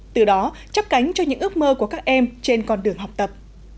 từ đó chấp cánh cho những ước mơ của các em trên con đường học tập